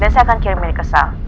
dan saya akan kirim milik ke sal